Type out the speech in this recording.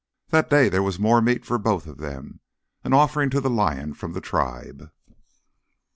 That day there was more meat for them both, an offering to the lion from the tribe.